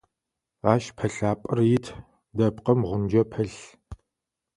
Ащ пылъапӏэр ит, дэпкъым гъунджэ пылъ.